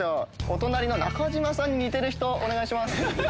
お隣の中島さんに似てる人お願いします。